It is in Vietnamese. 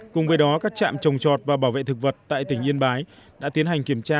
cùng với đó các trạm trồng chọt và bảo vệ thực vật tại tỉnh yên bái đã tiến hành kiểm tra